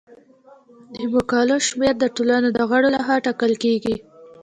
د مقالو شمیر د ټولنې د غړو لخوا ټاکل کیږي.